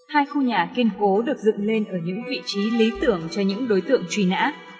hai khu nhà kiên cố được dựng lên ở những vị trí lý tưởng cho những đối tượng truy nã